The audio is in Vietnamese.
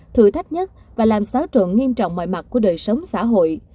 thử thách nhất và làm xáo trộn nghiêm trọng mọi mặt của đời sống xã hội